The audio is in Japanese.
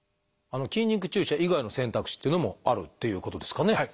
筋肉注射以外の選択肢っていうのもあるっていうことですかね？